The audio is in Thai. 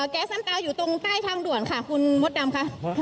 แก๊สน้ำตาอยู่ตรงใต้ทางด่วนค่ะคุณมดดำค่ะ